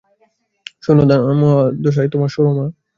শোনো না দাদামহাশয়, তোমার– সুরমা।